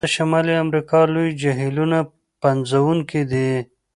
د شمالي امریکا لوی جهیلونه پنځګوني دي.